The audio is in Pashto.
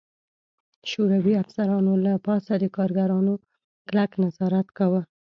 شوروي افسرانو له پاسه د کارګرانو کلک نظارت کاوه